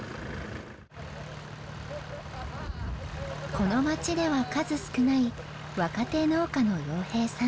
この町では数少ない若手農家の洋平さん。